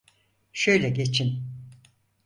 Şöyle geçin.